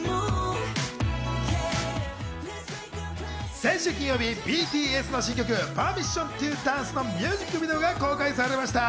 先週金曜日ＢＴＳの新曲『ＰｅｒｍｉｓｓｉｏｎｔｏＤａｎｃｅ』のミュージックビデオが公開されました。